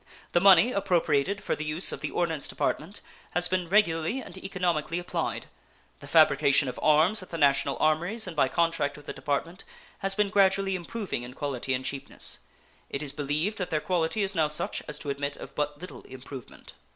The money appropriated for the use of the Ordnance Department has been regularly and economically applied. The fabrication of arms at the national armories and by contract with the Department has been gradually improving in quality and cheapness. It is believed that their quality is now such as to admit of but little improvement.